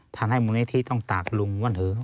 ทันให้มูลนิธิต้องตัดลุงว่านหือ